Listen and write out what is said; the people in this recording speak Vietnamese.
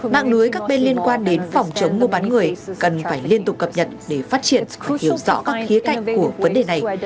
mạng lưới các bên liên quan đến phòng chống mua bán người cần phải liên tục cập nhật để phát triển hiểu rõ các khía cạnh của vấn đề này